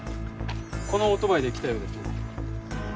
このオートバイで来たようですね。